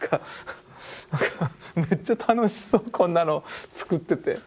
めっちゃ楽しそうこんなの作ってて。